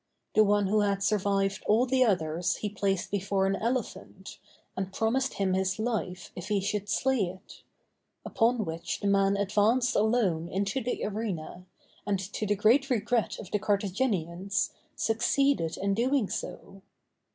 The one who had survived all the others he placed before an elephant, and promised him his life if he should slay it; upon which the man advanced alone into the arena, and, to the great regret of the Carthaginians, succeeded in doing so.